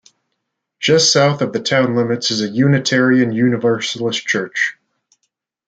Just south of the town limits is a Unitarian Universalist church.